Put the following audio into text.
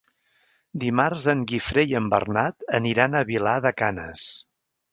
Dimarts en Guifré i en Bernat aniran a Vilar de Canes.